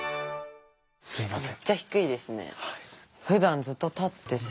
すいません。